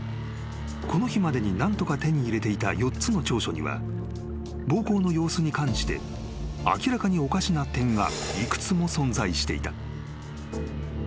この日までに何とか手に入れていた４つの調書には暴行の様子に関して明らかにおかしな点が幾つも存在していた］